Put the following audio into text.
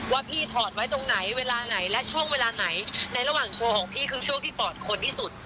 ว่าพี่ถอดไว้ตรงไหนเวลาไหนและช่วงเวลาไหนในระหว่างโชว์ของพี่คือช่วงที่ปอดคนที่สุด